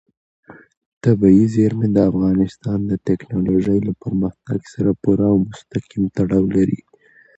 طبیعي زیرمې د افغانستان د تکنالوژۍ له پرمختګ سره پوره او مستقیم تړاو لري.